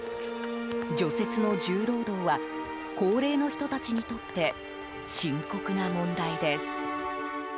除雪の重労働は高齢の人たちにとって深刻な問題です。